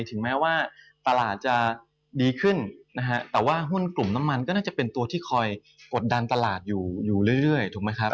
ถึงแม้ว่าตลาดจะดีขึ้นนะฮะแต่ว่าหุ้นกลุ่มน้ำมันก็น่าจะเป็นตัวที่คอยกดดันตลาดอยู่อยู่เรื่อยถูกไหมครับ